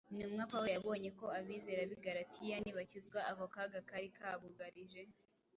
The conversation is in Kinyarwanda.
Intumwa Pawulo yabonye ko abizera b’i Galatiya nibakizwa ako kaga kari kabugarije